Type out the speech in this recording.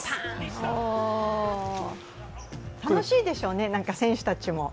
楽しいでしょうね、選手たちも。